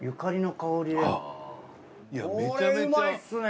これうまいっすね！